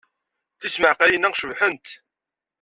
Tismaqqalin-a cebḥent.